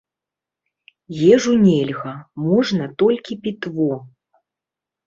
Ежу нельга, можна толькі пітво.